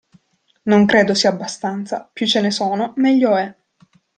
Non credo sia abbastanza, più ce ne sono meglio è.